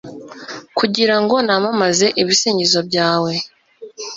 kugira ngo namamaze ibisingizo byawe